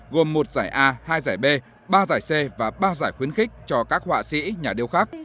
hai giải b ba giải c và ba giải khuyến khích cho các họa sĩ nhà điều khác